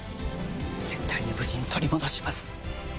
絶対に無事に取り戻します。